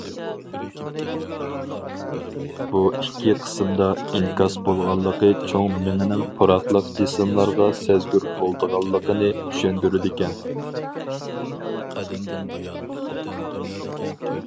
بۇ ئىككى قىسىمدا ئىنكاس بولغانلىقى چوڭ مېڭىنىڭ پۇراقلىق جىسىملارغا سەزگۈر بولىدىغانلىقىنى چۈشەندۈرىدىكەن.